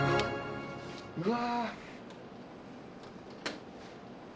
うわ。